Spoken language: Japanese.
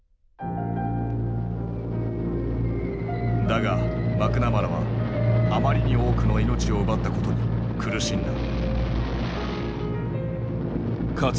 だがマクナマラはあまりに多くの命を奪ったことに苦しんだ。